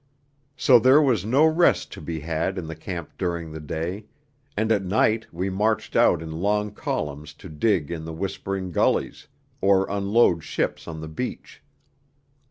So there was no rest to be had in the camp during the day; and at night we marched out in long columns to dig in the whispering gullies, or unload ships on the beach.